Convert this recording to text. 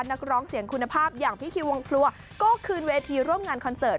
นักร้องเสียงคุณภาพอย่างพี่คิววงครัวก็คืนเวทีร่วมงานคอนเสิร์ต